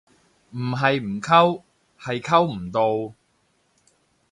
唔係唔溝，係溝唔到